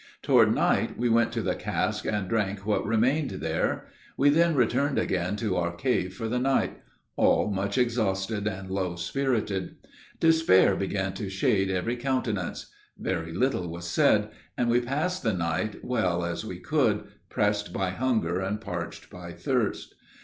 Toward night we went to the cask, and drank what remained there. We then returned again to our cave for the night, all much exhausted and low spirited. Despair began to shade every countenance. Very little was said, and we passed the night well as we could, pressed by hunger and parched by thirst.